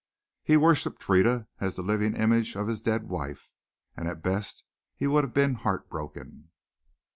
He worshiped Frieda as the living image of his dead wife, and at best he would have been heartbroken.